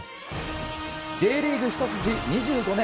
Ｊリーグ一筋２５年。